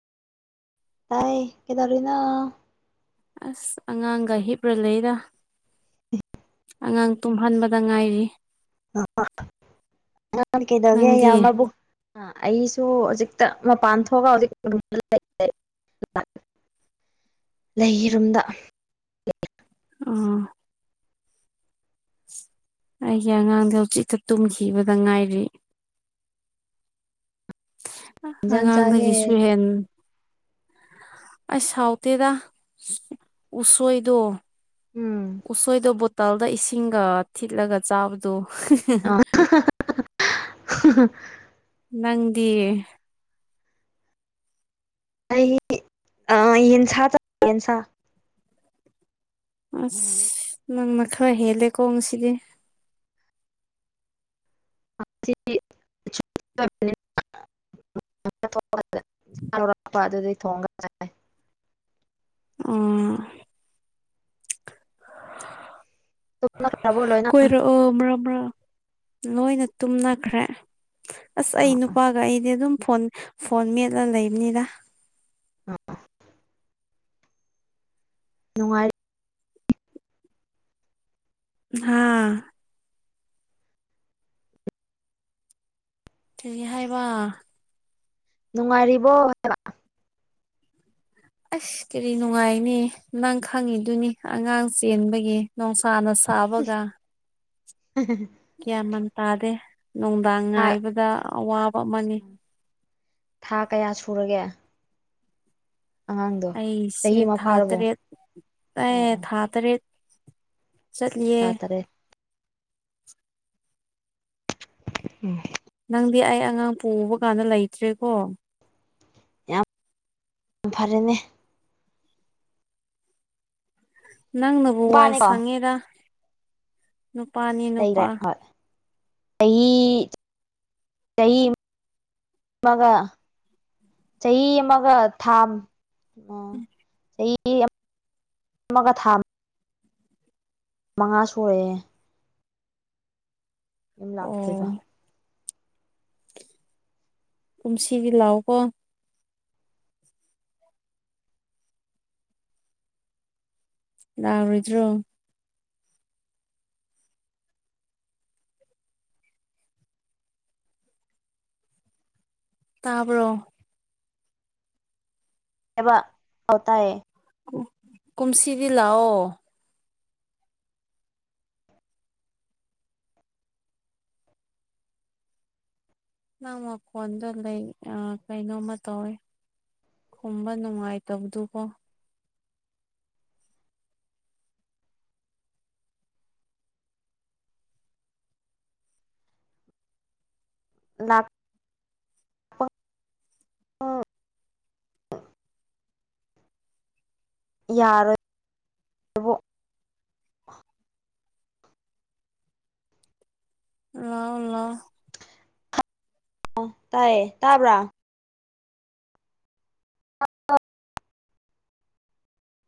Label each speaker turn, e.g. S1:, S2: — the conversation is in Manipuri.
S1: ꯇꯥꯏ ꯀꯗꯧꯔꯤꯅ
S2: ꯑꯁ ꯑꯉꯥꯡꯒ ꯍꯤꯞꯔ ꯂꯩꯔ ꯑꯉꯥꯡ ꯇꯨꯝꯍꯟꯕꯗ ꯉꯥꯏꯔꯤ
S1: ꯅꯥꯟ ꯀꯩꯗꯒꯦ
S2: ꯅꯪꯗꯤ
S1: ꯌꯥꯝꯃꯕꯨ ꯑ ꯑꯩꯁꯨ ꯍꯧꯖꯤꯛꯇ ꯃꯄꯥꯟ ꯊꯣꯛꯑꯒ ꯍꯧꯖꯤꯛ ꯂꯩꯔꯨꯝꯗ
S2: ꯑꫭ ꯑꯩꯒꯤ ꯑꯉꯥꯡꯗ ꯍꯧꯖꯤꯤꯛꯇ ꯇꯨꯝꯈꯤꯕꯗ ꯉꯥꯏꯔꯤ ꯍ
S1: ꯏꯟꯖꯥꯡ ꯆꯥꯒꯦ
S2: ꯑꯉꯥꯡꯗꯒꯤꯁꯨ ꯍꯦꯟ ꯑꯁ ꯁꯥꯎꯇꯦꯗ ꯁ ꯎꯁꯣꯏꯗꯣ
S1: ꯎꯝ
S2: ꯎꯁꯣꯏꯗꯣ ꯕꯣꯇꯜꯗ ꯏꯁꯤꯡꯒ ꯊꯤꯠꯂꯒ ꯆꯥꯕꯗꯣ ꯍꯍꯍ
S1: ꯍꯍꯍ
S2: ꯅꯪꯗꯤꯍ
S1: ꯑꯩ ꯑ ꯌꯦꯟꯁꯥ ꯆ ꯌꯦꯟꯁꯥ
S2: ꯑꯁ ꯅꯪ ꯃꯈꯥ ꯍꯦꯜꯂꯦꯀꯣꯉꯁꯤꯗꯤ
S1: ꯑ ꯁꯤꯇꯤ ꯆꯨꯞ ꯁꯞ ꯅꯦꯅ [inaudible] ꯑꯗꯨꯗꯩ ꯊꯣꯡꯉꯒ ꯆꯥꯏ
S2: ꯑꯨꯝ ꯆ ꯍꯍ
S1: ꯇꯨꯝꯅꯈ꯭ꯔꯕꯣ ꯂꯣꯏꯅꯍ
S2: ꯑꯣ ꯕ꯭ꯔ ꯕ꯭ꯔ ꯂꯣꯏꯅ ꯇꯨꯝꯅꯈ꯭ꯔꯦꯍ ꯑꯁ ꯑꯩ ꯅꯨꯄꯥꯒ ꯑꯩꯗꯤ ꯑꯗꯨꯝ ꯐꯣꯟ ꯐꯣꯟ ꯃꯦꯠꯂꯒ ꯂꯩꯕꯅꯤꯗ
S1: ꯑꯞ ꯅꯨꯡꯉꯥꯏ [inaudible]
S2: ꯍꯥꯥ ꯀꯩꯒꯤ ꯍꯥꯏꯕ
S1: ꯅꯨꯡꯉꯥꯏꯔꯤꯕꯣ ꯍꯥꯏꯕ
S2: ꯑꯁ ꯀꯔꯤ ꯅꯨꯡꯉꯥꯏꯅꯦ ꯅꯪ ꯈꯪꯉꯤꯗꯨꯅꯤ ꯑꯉꯥꯡ ꯆꯦꯟꯕꯒꯤ ꯅꯨꯡꯁꯥꯅ ꯁꯥꯕꯒ
S1: ꯎꯝ [unintelligible]
S2: ꯀ꯭ꯌꯥꯃꯟ ꯇꯥꯗꯦ ꯅꯨꯡꯗꯥꯡ
S1: ꯊꯥ
S2: ꯉꯥꯏꯕꯗ ꯑꯋꯥꯕ ꯑꯃꯅꯤ
S1: ꯊꯥ ꯀꯌꯥ ꯁꯨꯔꯒꯦ ꯑꯉꯥꯡꯗꯣ
S2: ꯑꯩꯁꯦ
S1: ꯆꯍꯤ ꯑꯃ
S2: ꯊꯥ
S1: ꯐꯥꯔꯕꯣ
S2: ꯇꯔꯦꯠ ꯑꯦ
S1: ꯑꯣ ꯑꯣ
S2: ꯊꯥ ꯇꯔꯦꯠ ꯆꯠꯂꯤꯌꯦ
S1: ꯊꯥ ꯇꯔꯦꯠ ꯎꯝ
S2: ꯅꯪꯗꯤ ꯑꯩ ꯑꯉꯥꯡ ꯄꯨꯕ ꯀꯥꯟꯗ ꯂꯩꯇ꯭ꯔꯦꯀꯣ
S1: ꯌꯥꯝ ꯌꯥꯝ ꯐꯔꯦꯅꯦ
S2: ꯅꯪꯅꯕꯨ ꯋꯥꯏ
S1: ꯅꯨꯄꯥꯅꯤꯀꯣ
S2: ꯁꯪꯉꯤꯔ ꯅꯨꯄꯥꯅꯤ
S1: ꯂꯩꯩꯔꯦ
S2: ꯅꯨꯄꯥ
S1: ꯑꫭꯏ ꯆꯍꯤ ꯆꯍꯤ ꯑꯃꯒ ꯆꯍꯤ ꯑꯃꯒ ꯊꯥ
S2: ꯎ
S1: ꯑꯣ
S2: [unintelligible]
S1: ꯆꯍꯤ ꯑꯃ ꯑꯃꯒ ꯊꯥ ꯃꯉꯥ ꯁꫭꯌꯦ ꯌꯨꯞ
S2: ꯑꯣ
S1: ꯂꯥꯛꯇꯦꯕ
S2: ꯀꯨꯝꯁꯤꯗꯤ ꯂꯥꯛꯑꯣꯀꯣ ꯂꯥꯛꯑꯔꫭꯏꯗꯔ꯭ꫭ ꯇꯥꯕ꯭ꯔꯣ
S1: ꯑꯦꯕ ꯑꯧ ꯇꯥꯏꯌꯦ
S2: ꯀꯨꯝꯁꯤꯗꯤ ꯂꯥꯛꯑꯣ ꯅꯪ ꯃꯈꯣꯟꯗꯣ ꯂꯩ ꯑ ꯀꯩꯅꯣꯝꯃ ꯇꯧꯋꯦ ꯈꯨꯝꯕ ꯅꯨꯡꯉꯥꯏꯇꯕꯗꯨꯀꯣ
S1: ꯂꯥꯛ ꯌꯥꯔꯣꯏ ꯑꯗꯨ
S2: ꯂꯑꯣ ꯂꯑꯣ
S1: ꯇꯥꯌꯦ ꯇꯥꯕ꯭ꯔꯥ ꯑ [unintelligible]